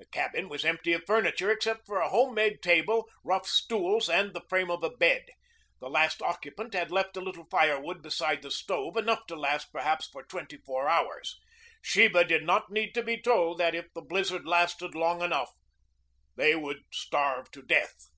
The cabin was empty of furniture except for a home made table, rough stools, and the frame of a bed. The last occupant had left a little firewood beside the stove, enough to last perhaps for twenty four hours. Sheba did not need to be told that if the blizzard lasted long enough, they would starve to death.